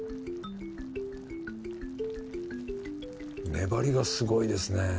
粘りがすごいですね。